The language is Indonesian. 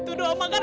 aduh itu doa makan